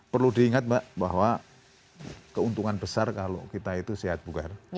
perlu diingat mbak bahwa keuntungan besar kalau kita itu sehat bugar